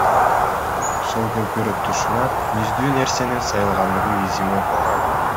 Сол көкүрөк тушуна миздүү нерсенин сайылгандагы изи байкалган.